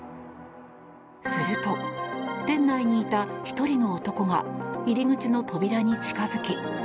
すると、店内にいた１人の男が入り口の扉に近づき。